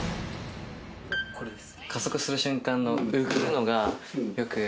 これです。